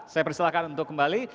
saya persilakan untuk kembali